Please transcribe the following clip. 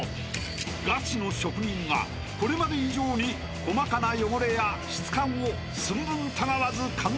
［ガチの職人がこれまで以上に細かな汚れや質感を寸分たがわず完全再現］